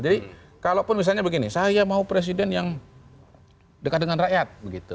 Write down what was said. jadi kalaupun misalnya begini saya mau presiden yang dekat dengan rakyat